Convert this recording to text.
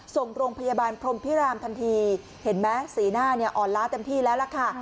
ส่งโรงพยาบาลพรมพิรามทันทีเห็นไหมสีหน้าเนี่ยอ่อนล้าเต็มที่แล้วล่ะค่ะ